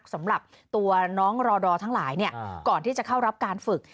สำหรับตัวน้องรอดอร์ทั้งหลายก่อนที่จะเข้ารับการฝึก